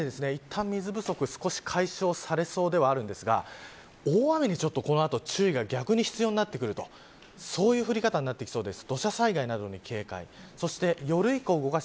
この雨で、いったん水不足少し解消されそうではあるんですが大雨にこの後注意が逆に必要になってくるそういう降り方になってきそうです。